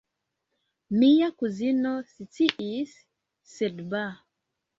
Mia kuzino sciis, sed ba!